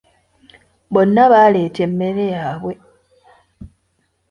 Bonna baaleta emmere yabwe.